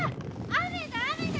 雨だ雨だ！